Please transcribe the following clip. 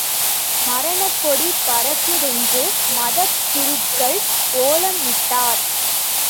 மரணக்கொடி பறக்குதென்று மத குருக்கள் ஒலமிட்டார்!